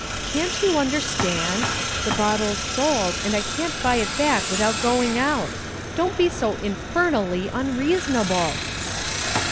Can't you understand? The bottle's sold, and I can't buy it back without going out. Don't be so infernally unreasonable!"